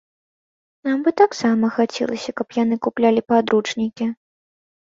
Нам бы таксама хацелася, каб яны куплялі падручнікі.